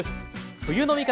「冬の味方！